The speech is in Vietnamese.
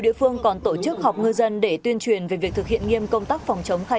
địa phương còn tổ chức họp ngư dân để tuyên truyền về việc thực hiện nghiêm công tác phòng chống khai